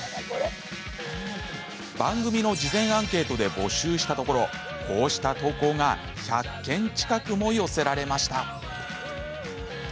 番組の事前アンケートで募集したところこうした投稿が１００件近くも寄せられました。